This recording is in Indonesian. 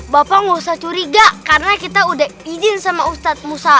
bapak nggak usah curiga karena kita udah izin sama ustadz musa